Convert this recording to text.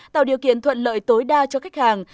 tạo điều kiện thuận lợi tối đa cho khách hàng